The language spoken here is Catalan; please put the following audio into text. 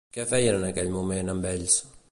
Què feien en aquell moment amb ells?